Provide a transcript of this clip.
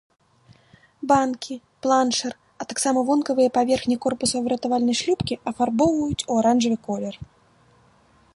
Банкі, планшыр, а таксама вонкавыя паверхні корпуса выратавальнай шлюпкі афарбоўваюць у аранжавы колер.